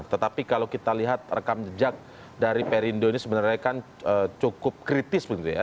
tetapi kalau kita lihat rekam jejak dari perindo ini sebenarnya kan cukup kritis begitu ya